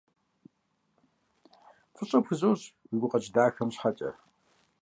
ФӀыщӀэ пхузощӀ уи гукъэкӀ дахэм щхьэкӀэ.